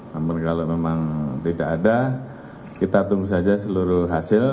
namun kalau memang tidak ada kita tunggu saja seluruh hasil